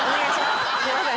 すいません。